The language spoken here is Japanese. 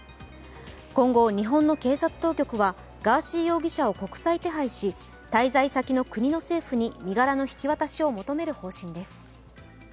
今後、日本の警察当局はガーシー容疑者を国際手配し、滞在先の国の政府に身柄の引き渡しを求める方針です。